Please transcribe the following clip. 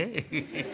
フフフ。